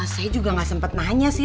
saya juga gak sempet nanya sih